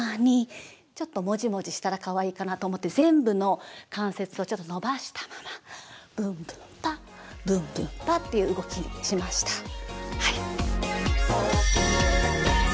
ちょっとモジモジしたらかわいいかなと思って全部の関節をちょっと伸ばしたままブンブンパブンブンパっていう動きにしましたはい。